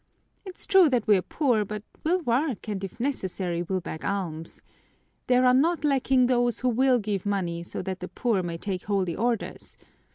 It's true that we're poor, but we'll work, and if necessary we'll beg alms. There are not lacking those who will give money so that the poor may take holy orders.